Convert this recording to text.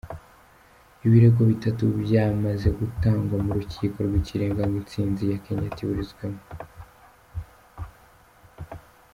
Ibirego bitatu byamaze gutangwa mu Rukiko rw’Ikirenga ngo intsinzi ya Kenyatta iburizwemo.